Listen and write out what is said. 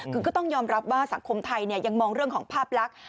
คือก็ต้องยอมรับว่าสังคมไทยยังมองเรื่องของภาพลักษณ์